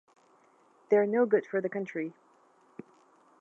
They're no good for the country.